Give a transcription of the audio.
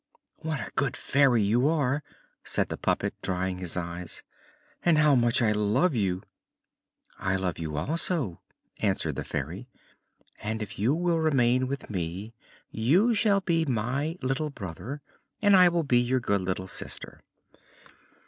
"What a good Fairy you are," said the puppet, drying his eyes, "and how much I love you!" "I love you also," answered the Fairy; "and if you will remain with me you shall be my little brother and I will be your good little sister."